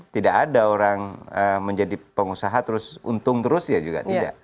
tidak ada orang menjadi pengusaha terus untung terus ya juga tidak